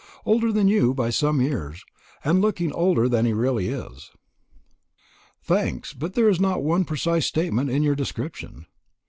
Older than you by some years, and looking older than he really is." "Thanks; but there is not one precise statement in your description.